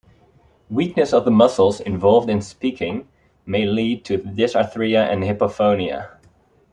Weakness of the muscles involved in speaking may lead to dysarthria and hypophonia.